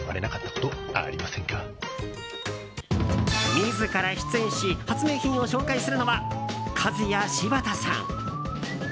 自ら出演し発明品を紹介するのはカズヤシバタさん。